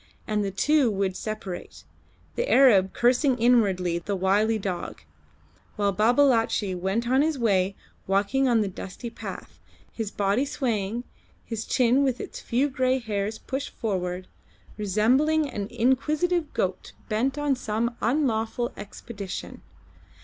And the two would separate, the Arab cursing inwardly the wily dog, while Babalatchi went on his way walking on the dusty path, his body swaying, his chin with its few grey hairs pushed forward, resembling an inquisitive goat bent on some unlawful expedition.